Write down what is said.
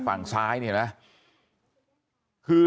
บอกแล้วบอกแล้วบอกแล้ว